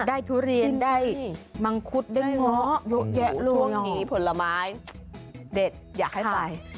ได้ทุเรียนได้มังคุดได้เหงายกแยะล่วงผลไม้เด็ดอยากให้ไป